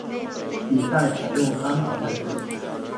比赛采用单淘汰制。